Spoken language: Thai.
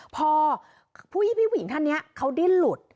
พอผู้หญิงพี่ผู้หญิงท่านเนี่ยเขาดิ้นหลุด